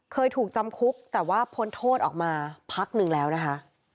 เคยถูกจำคุกแต่ว่าพ้นโทษออกมาพักหนึ่งแล้วนะคะ